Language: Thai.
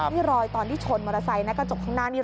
นี่รอยตอนที่ชนมอเตอร์ไซค์นะกระจกข้างหน้านี้